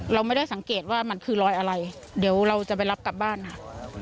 เราไม่ได้สังเกตว่ามันคือรอยอะไรเดี๋ยวเราจะไปรับกลับบ้านค่ะ